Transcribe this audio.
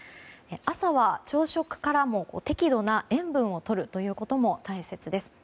朝は朝食から適度な塩分をとることも大切です。